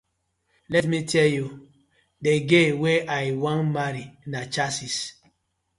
Lemme teeh yu, de girl wey I wan marry na chasis.